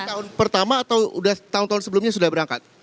tahun pertama atau sudah tahun tahun sebelumnya sudah berangkat